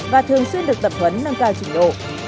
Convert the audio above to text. và thường xuyên được tập huấn nâng cao trình độ